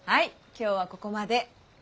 今日はここまで。